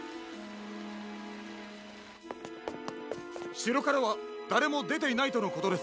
しろからはだれもでていないとのことです。